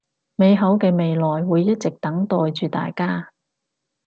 美好嘅未來會一直等待住大家